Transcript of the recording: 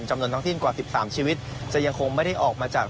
จำนวนท้องถิ่นกว่า๑๓ชีวิตจะยังคงไม่ได้ออกมาจาก